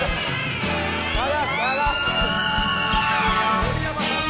盛山さん